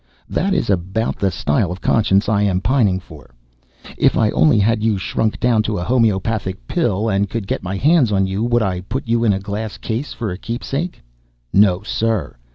That is about the style of conscience I am pining for. If I only had you shrunk you down to a homeopathic pill, and could get my hands on you, would I put you in a glass case for a keepsake? No, sir.